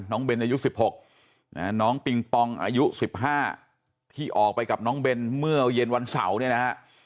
เบนอายุ๑๖น้องปิงปองอายุ๑๕ที่ออกไปกับน้องเบนเมื่อเย็นวันเสาร์เนี่ยนะฮะ